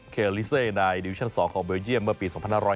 เคอร์ลิเซย์ในอินดิวิชั่น๒ของเบอร์เยียมเมื่อปี๒๕๑